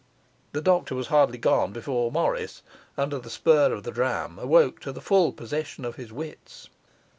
The doctor was hardly gone before Morris, under the spur of the dram, awoke to the full possession of his wits.